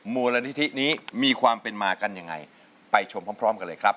มูลนิธินี้มีความเป็นมากันยังไงไปชมพร้อมกันเลยครับ